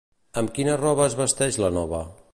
Amb quina roba es vesteix la nova?